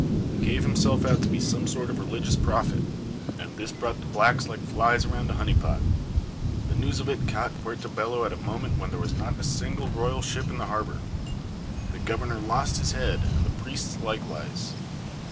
He gave himself out to be some sort of religious prophet, and this brought the blacks like flies round a honey pot. The news of it caught Puerto Bello at a moment when there was not a single Royal ship in the harbour. The Governor lost his head and the priests likewise.